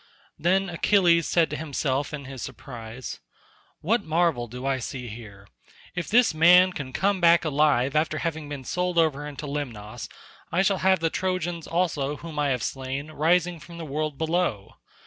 Then Achilles said to himself in his surprise, "What marvel do I see here? If this man can come back alive after having been sold over into Lemnos, I shall have the Trojans also whom I have slain rising from the world below.